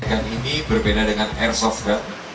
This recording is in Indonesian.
ikan ini berbeda dengan airsoft gun